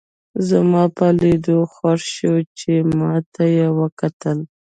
زما په لیدو خوښ شوه چې ما ته یې وکتل.